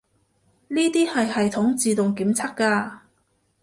呢啲係系統自動檢測嘅